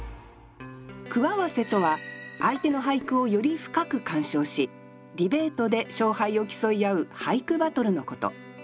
句合わせとは相手の俳句をより深く鑑賞しディベートで勝敗を競い合う俳句バトルのこと。